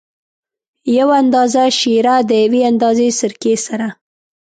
یو اندازه شېره د یوې اندازه سرکې سره.